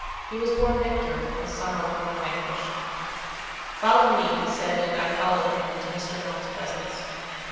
He was born victor, as some are born vanquished. "Follow me!" he said; and I followed him into Mr. Home's presence.